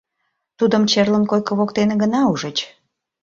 Тудым черлын койко воктене гына ужыч.